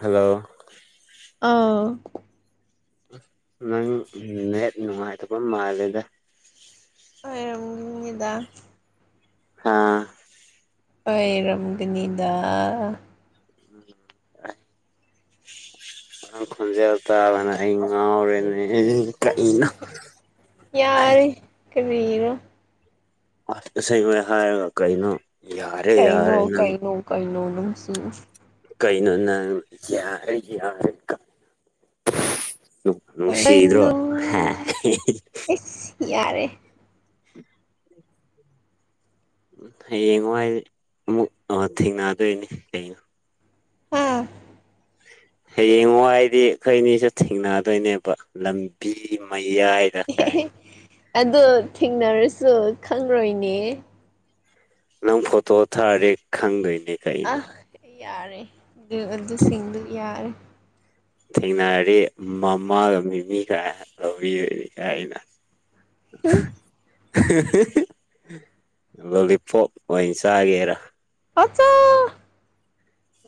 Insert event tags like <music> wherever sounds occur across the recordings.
hello ꯑꯥꯎ ꯅꯪ ꯅꯦꯠ ꯅꯨꯡꯉꯥꯏꯇꯕ ꯃꯥꯜꯂꯦꯗ ꯎꯗ ꯍꯥꯥ ꯑꯩꯔꯝꯒꯅꯤꯗ ꯎꯝ ꯈꯣꯟꯟꯖ ꯇꯅ ꯑꯩ ꯉꯔꯅꯦ ꯎ ꯀꯅ ꯑꯁ ꯇꯔ ꯁ ꯑꯣꯏ ꯍꯥꯏ ꯀꯩꯅꯩꯅꯣ ꯀꯩꯩꯅꯣ ꯀꯩꯩꯅꯣ ꯀꯩꯅꯩꯅꯣ ꯅꯅꯨꯡ ꯁꯤ ꯀꯩꯅꯣ ꯅꯪ ꯌꯥꯔꯦ ꯌꯥꯔꯦ ꯀ ꯎ ꯨꯁꯤꯗ꯭ꯔꯣ ꯀꯩꯅꯣ ꯑꯦꯁ ꯌꯥꯔꯦ ꯎꯝ ꯎ ꯍꯌꯦꯡꯉꯨ ꯍꯥꯏꯗꯤ ꯑꯃꯨꯛ ꯊꯦꯡꯅꯗꯣꯏꯅꯤ ꯀꯩꯅꯣ ꯍꯥꯥ ꯍꯌꯦꯡ ꯍꯥꯏꯗꯤ ꯑꯩꯈꯣꯏ ꯑꯅꯤꯁꯨ ꯊꯦꯡꯅꯗꯣꯏꯅꯦꯕ ꯂꯝꯕꯤ ꯃꯩ ꯏ ꯍꯥꯏꯗ ꯇꯥꯏ ꯑꯗꯨ ꯊꯦꯡꯅꯔꯁꯨ ꯈꯪꯔꯣꯏꯅꯦ ꯅꯪ ꯐꯣꯇꯣ ꯊꯥꯔꯦ ꯈꯪꯗꯣꯏꯅꯦ ꯑ ꯀꯩꯅꯣ ꯌꯥꯔꯦ ꯨꯔꯕꯗ ꯁꯤꯡꯕꯨ ꯌꯥꯔꯦ ꯊꯦꯡꯅꯔꯤ ꯃꯃꯥꯒ ꯃꯤꯃꯤꯒ ꯂꯧꯕꯤꯔꯔꯤꯒ ꯑꯩꯅ <unintelligible> ꯂꯣꯂꯤꯄꯣꯞ ꯑꯣꯏꯅ ꯆꯥꯒꯦꯔꯥ ꯑꯥꯆꯥ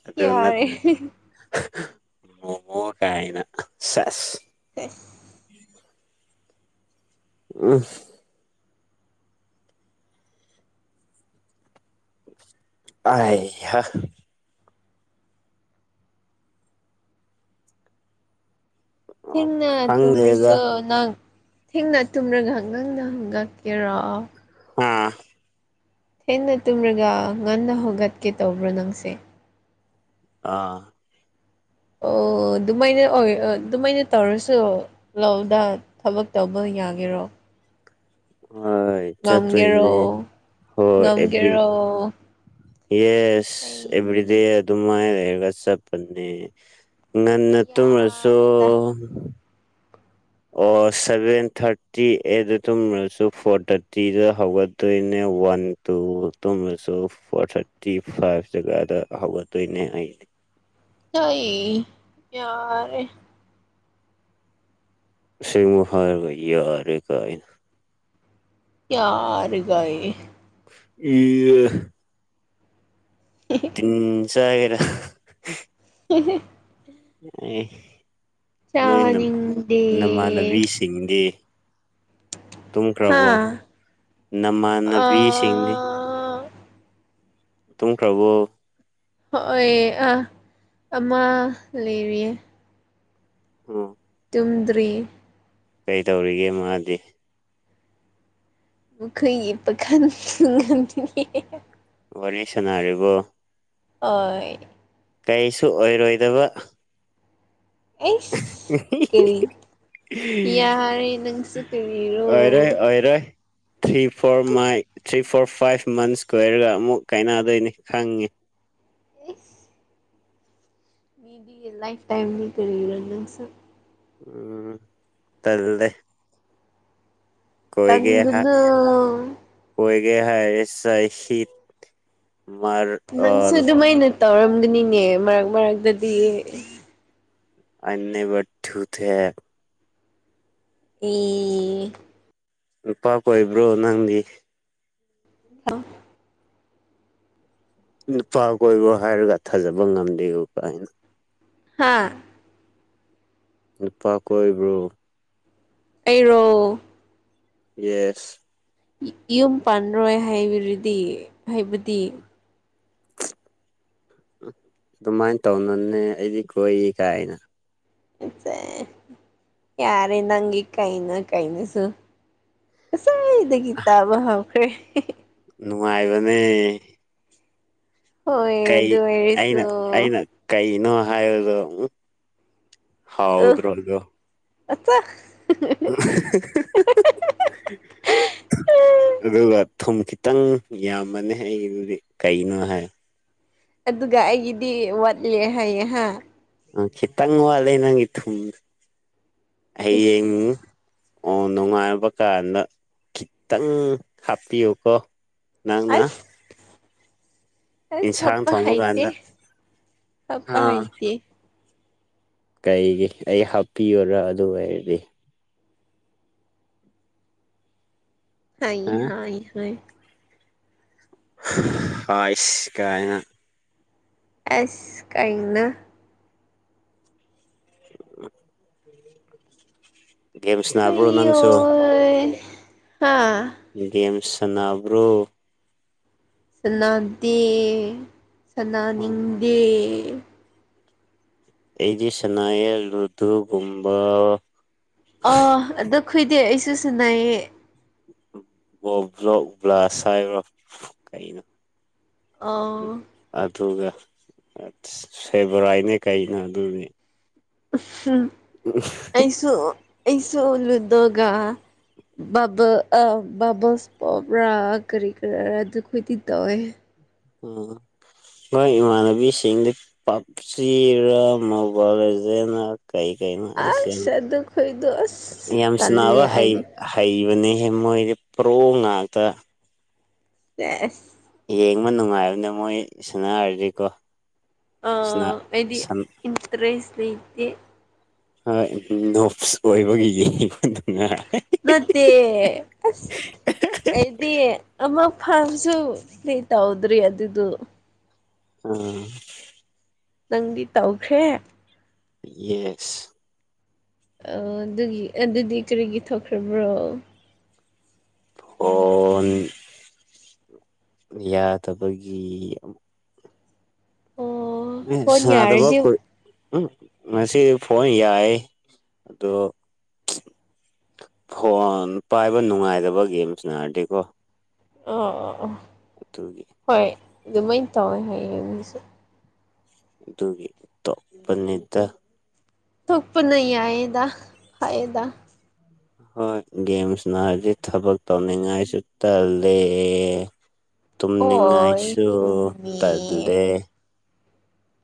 ꯑꯗꯅꯠꯇ ꯃꯣꯃꯣ ꯀꯥꯏꯅ <unintelligible> <unintelligible> ꯑꯥꯏ ꯍꯥ ꯊꯦꯡꯅ ꯈꯪꯗꯦꯗ ꯇꯨꯝꯔꯁꯨ ꯅꯪ ꯊꯦꯡꯅ ꯇꯨꯝꯔꯒꯥꯛ ꯅꯪꯅ ꯍꯪꯒꯛꯀꯦꯔꯣ ꯑ ꯊꯦꯡꯅ ꯇꯨꯝꯔꯒ ꯉꯟꯅ ꯍꯧꯣꯒꯠꯀꯦ ꯇꯧꯕ꯭ꯔꯣ ꯅꯪꯁꯦ ꯑꯥ ꯑꯣ ꯑꯗꯨꯃꯥꯏꯅ ꯑꯣꯏ ꯑꯗꯨꯃꯥꯏꯅ ꯇꯧꯔꯁꯨ ꯂꯗꯥ ꯊꯕꯛ ꯇꯧꯕꯒꯤ ꯌꯥꯒꯦꯔꯣ ꯍꯣꯏ ꯆꯠꯇꯔꯤꯅꯤ ꯉꯝꯒꯦꯔꯣ ꯍꯣꯏ ꯑꯦꯕ ꯉꯝꯒꯦꯔꯣ ꯌꯦꯁ ꯏꯕꯔꯤꯗꯤ ꯑꯩ ꯑꯗꯨꯃ ꯂꯩꯔꯒ ꯆꯠꯄꯅꯦ ꯉꯟꯅ ꯇꯨꯝꯃꯁꯨ ꯌꯥꯔꯦꯗ ꯑꯣ ꯁꯦꯚꯦꯟ ꯊꯥꯔꯇꯤ ꯑꯦꯗ ꯇꯨꯝꯃ꯭ꯔꯁꯨ ꯐꯣꯔ ꯊꯥꯔꯇꯤꯗ ꯍꯧꯒꯠꯇꯣꯏꯅꯦ ꯋꯥꯟ ꯇꯨ ꯇꯣꯁꯨ ꯐꯣꯔ ꯊꯥꯔꯇꯤ ꯐꯥꯏꯚ ꯖꯒꯥꯗ ꯍꯧꯒꯗꯣꯏꯅꯦ ꯑꯩꯅꯦ ꯑꯩꯏ ꯌꯔꯦ ꯁꯤꯃꯨ ꯍꯥꯔꯒ ꯑꯔꯦ ꯀꯥꯏꯅ ꯌꯥꯔꯒꯑ <unintelligible> ꯇꯤꯟ ꯆꯥꯒꯦꯔ <unintelligible> ꯑꯦ ꯅꯣꯏ ꯆꯥꯅꯤꯡꯗꯦ ꯅꯃꯥꯟꯅꯕꯤꯁꯤꯡꯗꯤ ꯍꯥ ꯇꯨꯝꯈ꯭ꯔꯕꯣ ꯑꯥ ꯑ ꯅꯃꯥꯟꯅꯕꯤꯁꯤꯡꯗꯤ ꯑꯥ ꯇꯨꯝꯈ꯭ꯔꯕꯣ ꯍꯣꯏ ꯑꯥ ꯑꯃ ꯂꯩꯔꯤꯌꯦ ꯑꯣ ꯇꯨꯝꯗ꯭ꯔꯤ ꯀꯩ ꯇꯧꯔꯤꯒꯦ ꯃꯥꯗꯤ <unintelligible> ꯋꯥꯔꯤ ꯁꯥꯟꯅꯔꯤꯕꯣ ꯍꯣꯏ ꯀꯩꯁꯨ ꯑꯣꯏꯔꯣꯏꯗꯕ ꯑꯦꯁ ꯀꯦꯔꯤ ꯌꯥꯔꯦ ꯅꯪꯁꯨ ꯀꯔꯤꯔꯣ ꯑꯣꯏꯔꯣꯏ ꯑꯣꯏꯔꯣꯏ ꯊ꯭ꯔꯤ ꯐꯣꯔ ꯃꯥꯏ ꯊ꯭ꯔꯤ ꯐꯣꯔ ꯐꯥꯏꯚ ꯃꯟꯁ ꯀꯣꯌꯏꯔꯒ ꯑꯃꯨꯛ ꯀꯥꯏꯅꯗꯣꯏꯅꯤ ꯈꯪꯉꯤ ꯏꯁ ꯃꯤꯗꯤ ꯂꯥꯏꯐ ꯇꯥꯏꯝꯅꯤ ꯀꯔꯤꯔꯣ ꯅꯪꯁꯨ ꯎꯝ ꯇꯜꯂꯦ ꯀꯣꯏꯒꯦ ꯍꯥꯏ ꯇꯟꯒꯅꯨ ꯀꯣꯏꯒꯦ <unintelligible> ꯅꯪꯁꯨ ꯑꯣꯔ ꯑꯗꯨꯝꯃꯥꯏꯅ ꯇꯧꯔꯝꯒꯥꯅꯤ ꯅꯦ ꯃꯔꯛ ꯃꯔꯛꯇꯗꯤ ꯑꯥꯏ ꯅꯦꯚꯔ ꯊꯨ ꯊꯦꯠ ꯑꯦ ꯅꯨꯄꯥ ꯀꯣꯏꯕ꯭ꯔꯣ ꯅꯪꯗꯤ <unintelligible> ꯅꯨꯄꯥ ꯀꯣꯏꯕ ꯍꯥꯏꯔꯒ ꯊꯥꯖꯕ ꯉꯝꯗꯦ ꯀꯥꯏꯅ ꯍꯥꯥ ꯅꯨꯄꯥ ꯀꯣꯏꯕ꯭ꯔꯣ ꯑꯩꯔꯣ ꯌꯦꯁ ꯌꯨꯝ ꯄꯥꯟꯔꯣꯏ ꯍꯥꯏꯕꯗꯨꯗꯤ ꯍꯥꯏꯕꯗꯤ ꯑꯗꯨꯃꯥꯏꯅ ꯇꯧꯅꯨꯅꯦ ꯑꯩꯗꯤ ꯀꯣꯏ ꯀꯥꯏꯅ <unintelligible> ꯌꯥꯔꯦ ꯅꯪꯒꯤ ꯀꯥꯏꯅ ꯀꯩꯅꯣꯁꯨ ꯁꯋꯥꯗꯒꯤ ꯇꯥꯕ ꯍꯧꯈ꯭ꯔꯦ ꯅꯨꯡꯉꯥꯏꯕꯅꯦ ꯍꯣꯏ ꯀꯩ ꯑꯗꯨ ꯑꯣꯏꯔꯁꯨ ꯑꯩꯅ ꯑꯩꯅ ꯀꯩꯅꯣ <unintelligible> ꯑ ꯍꯥꯎꯗ꯭ꯔꯣ ꯑꯗꯨ ꯑꯆꯥ ꯑꯗꯨ ꯊꯨꯝ ꯈꯤꯇꯪ ꯌꯥꯝꯕꯥꯅꯤ ꯑꯩꯗꯤ ꯀꯩꯅꯣ ꯍꯥꯏ ꯑꯗꯨꯒ ꯑꯩꯒꯤꯗꯤ ꯋꯥꯠꯂꯦ ꯍꯥꯏꯌꯦ ꯍꯥ ꯑ ꯈꯤꯇꯪ ꯋꯥꯂꯦ ꯅꯪꯒꯤ ꯊꯨꯝ ꯍꯌꯦꯡ ꯏꯁ ꯑꯣ ꯅꯨꯡꯉꯥꯏꯕ ꯀꯥꯟꯗ ꯈꯤꯇꯪ ꯍꯥꯞꯄꯤꯌꯨꯀꯣ ꯅꯪꯅ ꯑꯁ ꯑꯁ ꯏꯟꯁꯥꯡ ꯍꯥꯞꯄ ꯊꯣꯡꯕ ꯍꯥꯏꯇꯦ ꯀꯥꯟꯗ ꯍꯥꯞꯄ ꯍꯥ ꯍꯥꯏꯇꯦ ꯀꯩꯒꯤ ꯑꯩ ꯍꯥꯞꯄꯤꯌꯨꯔꯣ ꯑꯗꯨ ꯑꯣꯏꯔꯗꯤ ꯍꯥꯏ ꯍꯥ ꯍꯥꯏ ꯍꯥꯏ ꯍꯁꯤ ꯀꯥꯏꯅ ꯑꯦꯁ ꯀꯥꯏꯅ ꯒꯦꯝꯁ ꯅꯅꯥꯕꯨ꯭ꯔꯣ ꯅꯪꯁꯨ ꯑꯩꯌꯣꯏ ꯍꯥ ꯦꯝ ꯁꯅꯥꯕ꯭ꯔꯣ ꯁꯥꯟꯅꯥꯗꯦ ꯑꯣ ꯁꯅꯥꯅꯤꯡꯗꯦ ꯑꯩꯗꯤ ꯁꯅꯥꯏꯔ ꯔꯨꯙꯨꯒꯨꯝꯕꯥ ꯈꯨꯏꯗꯦ ꯑꯩꯁꯨ ꯁꯤꯟꯅꯩꯌꯦ ꯣꯕ꯭ꯔꯣ ꯎꯕ꯭ꯂꯥ ꯆꯥꯏꯕ꯭ꯔꯣ ꯀꯩꯅꯣ ꯑꯥ ꯑꯗꯨꯒ ꯁꯦꯕꯣꯔꯥꯏꯅꯦ ꯀꯩꯅꯣ ꯑꯗꯨꯅꯦ ꯑ ꯎ ꯑꯩꯁꯨꯣꯂꯨꯗꯣꯒ ꯑ ꯕꯥꯃꯁ ꯄꯣꯝꯕ꯭ꯔꯥ ꯀꯔꯤ ꯀꯔꯤꯔꯥ ꯑꯗꯨ ꯈꯈꯣꯏꯗꯤ ꯇꯧꯋꯦ ꯎꯝ ꯃꯣꯏ ꯏꯃꯥꯟꯅꯕꯤꯁꯤꯡꯗꯤ ꯄꯞꯆꯔꯥ ꯃꯣꯕꯥꯏꯖ ꯀꯩ ꯀꯔꯤꯩꯅꯣ ꯌꯥꯝ ꯑꯁ ꯑꯗꯨ ꯈꯣꯏꯗꯣ ꯑꯁ ꯌꯥꯝ ꯁꯅꯥꯅꯕ ꯇꯜꯂꯦ ꯑꯩꯗꯤ ꯍꯩꯕꯅꯤ ꯃꯣꯏꯗꯤꯦ ꯄ꯭ꯔꯣ ꯉꯥꯛꯇ ꯑꯦ ꯌꯦꯦꯡꯕ ꯅꯨꯡꯉꯥꯏꯕꯅꯦ ꯃꯣꯏ ꯁꯥꯟꯅꯔꯗꯤꯀꯣ ꯁꯥꯟꯅ ꯌꯗꯤ ꯁꯟ ꯏꯟꯇ꯭ꯔꯦꯁ ꯂꯩꯦ ꯍꯣ ꯑꯣꯏꯕꯒꯤ ꯅꯨꯡꯉꯥꯏ ꯅꯠꯇ ꯑꯗꯤ ꯑꯃ ꯐꯔꯖꯨ ꯇꯥꯎꯗ꯭ꯔꯤ ꯑꯗꯨꯗꯗꯨ ꯑꯥ ꯅꯪꯗꯤ ꯇꯧꯈ꯭ꯔꯦ ꯌꯦꯁ ꯑꯣ ꯑꯗꯨꯒꯤ ꯑꯗꯨꯗꯤ ꯀꯔꯤꯒꯤ ꯊꯣꯛꯈ꯭ꯔꯕꯣ ꯐꯣꯟ ꯌꯥꯗꯕꯒꯤ ꯑꯣ ꯐꯣꯟ ꯁꯗꯕ ꯌꯥꯔꯗꯤ ꯑꯣ ꯀꯣꯏ ꯎꯝ ꯉꯁꯤꯗꯤ ꯐꯣꯟ ꯌꯥꯏ ꯑꯣ ꯐꯣꯟ ꯄꯥꯏꯕ ꯅꯨꯡꯉꯥꯏꯗꯕ ꯒꯦꯝꯁꯤꯅꯔꯗꯤꯀꯣ ꯑ ꯑ ꯑ ꯑꯗꯨꯠꯇꯒꯤ ꯑꯗꯨꯃꯥꯏꯅ ꯇꯧꯋꯦ ꯍꯥꯏꯌꯦ ꯃꯤꯁꯨ ꯑꯗꯨꯒꯤ ꯇꯣꯞꯄꯅꯤꯗ ꯊꯨꯄ ꯅ ꯍꯥꯏꯦꯗ ꯍꯥꯏꯌꯦꯗ ꯍꯣꯏ ꯒꯦꯝꯁꯅ ꯍꯥꯏꯗꯤ ꯊꯕꯛ ꯇꯧꯅꯤꯡꯉꯥꯏꯁꯨ ꯇꯜꯂꯦ ꯍꯣꯏ ꯇꯨꯝꯅꯤꯡꯉꯥꯏꯁꯨ ꯆꯨꯝꯃꯦ ꯇꯜꯦ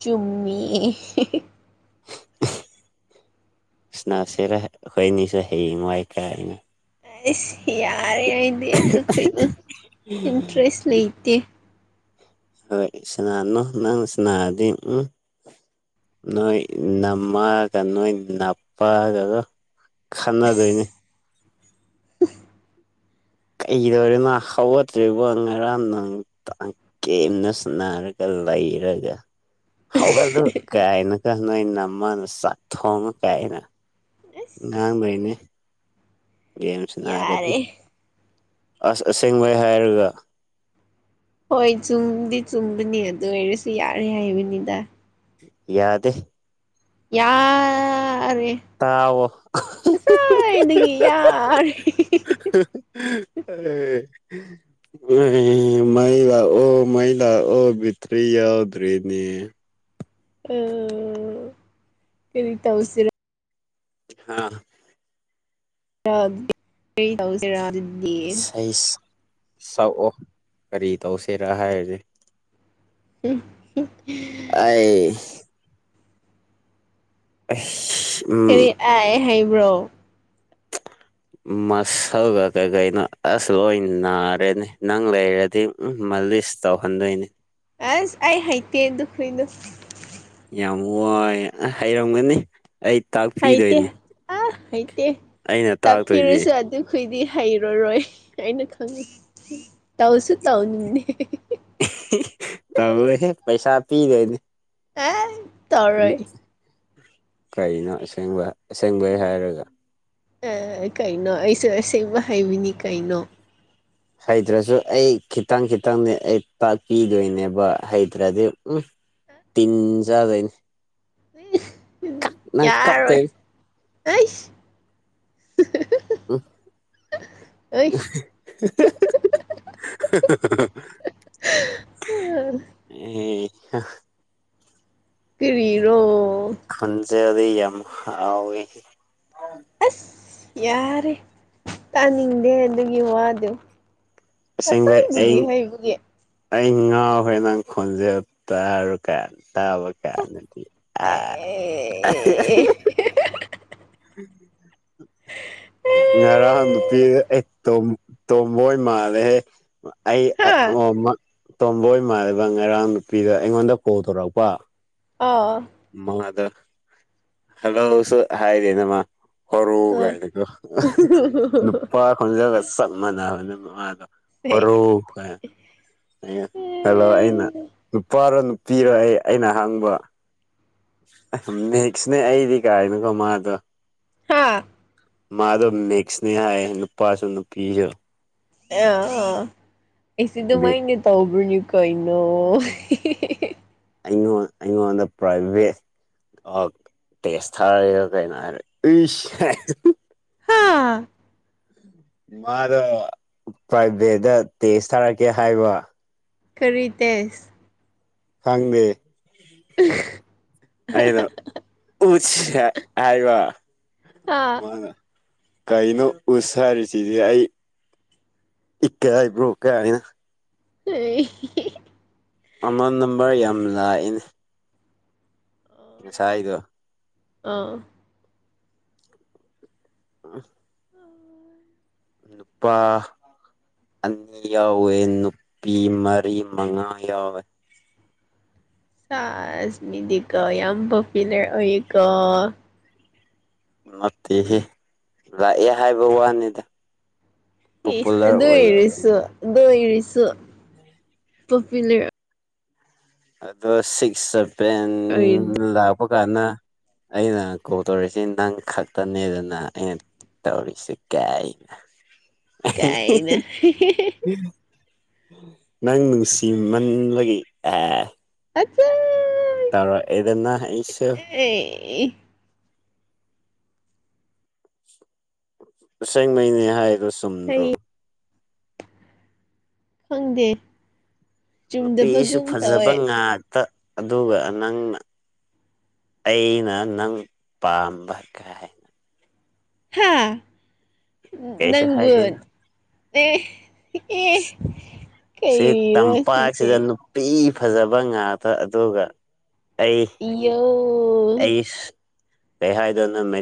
ꯆꯨꯝꯃꯤ ꯁꯅꯁꯤꯦꯔ ꯍꯅꯤꯁꯨ ꯍꯦꯃꯥꯏ ꯀꯅ ꯑꯁ ꯌꯥꯔꯦ ꯍꯥꯏꯗꯤ ꯑꯗꯨ ꯑꯩꯩꯁꯨ ꯏꯟꯇꯔꯦꯁ ꯂꯩꯇꯦ ꯍꯣꯏ ꯁꯅꯥꯅꯣ ꯅꯪ ꯁꯅꯥꯗꯤ ꯎꯝ ꯅꯣꯏ ꯅꯝꯃꯒ ꯅꯣꯏ ꯅꯄꯒꯒ ꯈꯅꯗꯣꯏꯅꯤ ꯑꯁ ꯀꯩꯗꯧꯔꯤꯅꯣ ꯍꯧꯒꯠꯇ꯭ꯔꯤꯕꯔꯤꯕꯣ ꯉꯔꯥꯡ ꯅꯪ ꯀꯦꯝꯅ ꯁꯟꯅꯔꯒ ꯂꯩ ꯏꯔꯒ ꯍꯧꯒꯗꯨ ꯀꯥꯏꯅ ꯀ ꯅꯣꯏ ꯅꯝꯃꯅ ꯆꯥꯛ ꯊꯣꯡꯉ ꯀꯥꯏꯅ ꯑꯁ ꯥꯡ ꯩꯅꯦ ꯒꯦꯝꯁꯤ ꯅꯥ ꯍꯥꯏꯔꯗꯤ ꯌꯥꯔꯦ ꯑꯁ ꯑꯁꯦꯡꯕꯩ ꯍꯥꯏꯔꯒ ꯍꯣꯏ ꯆꯨꯝꯗꯤ ꯆꯨꯝꯕꯅꯤ ꯑꯗꯨ ꯑꯣꯏꯔꯁꯨ ꯌꯥꯔꯦ ꯍꯥꯏꯕꯅꯤꯗ ꯌꯥꯗꯦ ꯌꯥ ꯌꯥꯔꯦ ꯇꯥꯎꯋꯣ ꯉꯁꯥꯏꯗꯒꯤ ꯌꯥꯔꯦ ꯑꯦ ꯎ ꯃ ꯃꯂ ꯑꯣ ꯃꯩꯂ ꯑꯣ ꯕꯤꯇ꯭ꯔꯤ ꯑꯣ ꯗ꯭ꯔꯤꯅꯤ ꯎ ꯀꯔꯤ ꯇꯧꯁꯤꯔ ꯑꯥ ꯑ ꯏꯁꯩꯛ ꯁꯛꯑꯣ ꯀꯔꯤ ꯇꯧꯁꯤꯔꯥ ꯍꯥꯏꯔꯁꯦ ꯍ ꯑ ꯑ ꯍꯔꯤ ꯑ ꯍꯩꯕ꯭ꯔꯣ ꯃꯁꯜꯒ ꯀꯩꯀꯩꯅꯣ ꯑꯁ ꯂꯣꯏ ꯅꯥꯔꯦꯅꯤ ꯅꯪ ꯂꯩꯔꯗꯤ ꯎ ꯑꯃ ꯂꯤꯁ ꯇꯧꯍꯟꯗꯣꯏꯅꯤ ꯑꯁ ꯑꯩ ꯍꯩꯇꯦ ꯗꯨꯈꯣꯏ ꯗꯨ ꯌꯥꯝ ꯋꯥꯏ ꯍꯩꯔꯝꯒꯅꯤ ꯑꯩ ꯍꯩꯇꯦ ꯇꯥꯛꯄꯤꯗꯣꯏꯅꯤ ꯑ ꯍꯩꯇꯦ ꯑꯩꯅ ꯇꯥꯛꯇꯣꯏꯗꯤ ꯇꯞꯄꯤꯔꯁꯨ ꯑꯗꯨꯈꯗꯤ ꯍꯩꯔꯔꯣꯏ ꯑꯩꯅ ꯈꯪꯉꯤ ꯇꯧꯁꯨ ꯇꯧꯅꯤꯡꯗꯦ ꯄꯤꯗꯅꯦ ꯑꯦ ꯇꯔꯣꯏ ꯀꯩꯅꯣ ꯑꯁꯦꯡꯕ ꯑꯁꯦꯡꯕꯩ ꯍꯥꯏꯔꯒ ꯀꯩꯅꯣ ꯑꯩꯁꯨ ꯑꯁꯦꯡꯕ ꯍꯥꯏꯩꯕꯤꯅꯤ ꯀꯩꯅꯣ ꯍꯩꯇ꯭ꯔꯁꯨ ꯑꯩ ꯈꯤꯇꯪ ꯈꯤꯇꯪꯗꯤ ꯑꯩ ꯇꯥꯛꯄꯤꯗꯣꯏꯅꯦꯕ ꯍꯩꯇ꯭ꯔꯗꯤ ꯎꯝ ꯇꯤꯟ ꯆꯗꯅꯤ ꯌꯥꯔꯣꯏ ꯀꯞꯇꯣꯏꯅꯤ ꯑꯦ ꯑ <unintelligible> ꯍ ꯀꯔꯤꯔꯣ ꯍꯪꯖꯗ ꯌꯥꯝ ꯑ ꯑꯁ ꯌꯥꯔꯦ ꯇꯥꯅꯤꯡꯗꯦ ꯑꯗꯨꯒꯤ ꯋꯥꯗꯨꯣ ꯑꯁꯦꯡꯕꯩ ꯑꯩ ꯑꯁꯁꯤꯒ ꯍꯥꯏꯕꯨꯒꯦ ꯑꯩ ꯉꯥꯎ ꯍꯣꯏ ꯅꯪ ꯈꯣꯟꯖꯦꯜ ꯇꯔ ꯀꯥꯥꯟ ꯇꯕ ꯀꯌꯥ ꯑꯦ <inaudible> ꯉꯔꯥꯡ ꯅꯨꯄꯤ ꯑꯩ ꯇꯣꯝꯕꯣꯏ ꯃꯥꯜꯂꯦꯍꯦ ꯑꯩ ꯍꯥ ꯑ ꯑꯣ ꯇꯣꯝꯕꯣꯏ ꯏꯃꯥꯕ ꯉꯔꯥꯡ ꯅꯨꯄꯤꯗ ꯑꯩꯉꯣꯟꯗ ꯀꯣꯜ ꯇꯧꯔꯛꯄ ꯑ ꯃ ꯑꯗꯨ ꯍꯜꯂꯣꯁꯨ ꯍꯥꯏꯗꯅꯃ ꯍꯔꯨ ꯀꯥꯏꯅꯤꯗꯣ ꯅꯨꯄꯥ ꯈꯣꯟꯖꯒ ꯆꯞ ꯃꯥꯟꯅꯕꯅꯦ ꯃꯃꯗꯣ ꯍꯔꯣꯏ ꯀ ꯍꯜꯂꯣ ꯑꯩꯅ ꯅꯨꯄꯥꯔꯣ ꯅꯨꯄꯤꯔꯣ ꯑꯩ ꯑꯩꯅ ꯍꯥꯡꯕ ꯅꯦꯛꯁꯅꯦ ꯑꯩꯗꯤ ꯀꯥꯏꯅꯀꯣ ꯃꯥꯗꯣ ꯍꯥꯥ ꯃꯥꯗ ꯃꯁꯅꯦ ꯍꯥꯏ ꯅꯨꯄꯥꯁꯨꯅ ꯅꯨꯄꯤꯤꯁꯨ ꯑꯥ ꯑꯥ ꯑꯩꯁ ꯑꯗꯨꯗꯤ ꯑꯗꯨꯃꯥꯏꯅ ꯇꯧꯕ꯭ꯔꯅꯤ ꯀꯣꯏꯅꯨ ꯑꯩꯉꯣꯟ ꯑꯩꯉꯣꯟꯗ ꯄ꯭ꯔꯥꯏꯚꯦꯠ ꯑꯣ ꯇꯦꯁ ꯊꯥ ꯀꯔꯦ ꯍꯥ ꯃꯥꯗꯣ ꯄ꯭ꯔꯥꯏꯚꯦꯠꯇ ꯇꯦꯖ ꯊꯥꯔꯛꯀꯦ ꯍꯥꯏꯕ ꯀꯔꯤꯗꯁ ꯊꯪꯅꯦ <unintelligible> ꯑꯩꯗꯣ ꯎ ꯍꯥꯏ ꯋꯥ ꯑꯥ ꯀꯥꯏꯅꯣ ꯑꯣ ꯁꯔꯤ ꯆꯤꯖ ꯑꯏ ꯏ ꯍꯥꯏ ꯔꯣꯀꯅꯤꯅ ꯍ ꯃꯃꯥꯟ ꯅꯝꯕꯔ ꯌꯥꯝ ꯂꯥꯛꯏꯅꯦ ꯁ ꯍꯥꯏꯗꯣ ꯑꯥ ꯑ ꯅꯨꯄꯥ ꯑꯅꯤ ꯌꯥꯎꯋꯦ ꯅꯨꯄꯤ ꯃꯔꯤ ꯃꯉꯥ ꯌꯥꯎꯋꯦ ꯁꯥꯥꯁꯃꯤꯗꯤ ꯀꯣ ꯌꯥꯝ ꯄꯣꯄꯤꯂꯔ ꯑꯣꯏꯀꯣ ꯃꯠꯇꯦꯍꯑ ꯍꯥꯏꯕ ꯋꯥꯅꯤꯗ ꯄꯣꯄꯨꯂꯔ ꯑꯗꯨ ꯑꯣꯏꯗꯦ ꯑꯣꯏꯔꯁꯨ ꯑꯗꯨ ꯑꯣꯏꯔꯁꯨꯔ ꯑꯗꯣ ꯁꯤꯛꯁ ꯁꯚꯦꯟ ꯑꯣꯏꯗ ꯂꯥꯛꯄ ꯀꯥꯟꯗ ꯑꯩꯅ ꯀꯣꯜ ꯇꯧꯔꯤꯔꯤꯁꯤ ꯅꯪ ꯈꯛꯇꯅꯦꯗꯅ ꯑꯩꯅ ꯇꯧꯔꯤꯁꯤ ꯀꯅ ꯀꯥꯏ ꯅ ꯅꯪ ꯅꯨꯡꯁꯤꯃꯟꯂꯒ ꯑꯦ ꯑꯆ ꯇꯧꯔꯣ ꯑꯦꯗꯅ ꯑꯩꯁꯣ ꯑꯦ ꯇꯁꯦꯡꯉꯩꯅꯦ ꯍꯥꯏꯗꯣ ꯆꯨꯝꯗ꯭ꯔꯣ ꯑꯩ ꯈꯪꯗꯦ ꯅꯨꯄꯤꯁꯨ ꯆꯨꯝꯗꯕꯒꯨꯝ ꯐꯖꯕ ꯇꯧꯋꯦ ꯉꯥꯛꯇ ꯑꯗꯨꯒ ꯅꯪꯅ ꯑꯩꯅ ꯅꯪ ꯄꯥꯝꯕ ꯀ ꯍꯥꯏꯅ ꯍꯥ ꯀꯩꯁꯨ ꯅꯪꯕꯨ ꯍꯥꯏꯗꯦꯗ ꯑꯦ ꯑꯦ ꯁꯤ ꯀꯩꯔꯣ ꯁꯤꯁꯦ ꯇꯝꯄꯥꯥꯁꯖ ꯅꯨꯄꯤ ꯐꯖꯕ ꯉꯥꯇ ꯑꯗꯨꯒ ꯑꯩ ꯏꯌꯣ ꯑꯩ ꯦ ꯍꯥꯏꯗꯣꯅ ꯃꯦ